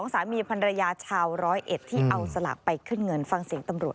สามีพันรยาชาวร้อยเอ็ดที่เอาสลากไปขึ้นเงินฟังเสียงตำรวจ